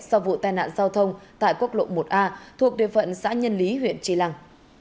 sau vụ tai nạn giao thông tại quốc lộ một a thuộc địa phận xã nhân lý huyện tri lăng